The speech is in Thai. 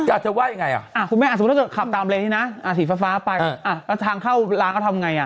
อ่าคุณแม่สมมติถ้าเธอขับตามเรนที่น่ะสีฟ้าไปแล้วทางเข้าร้างเขาทำยังไง